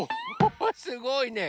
すごいね！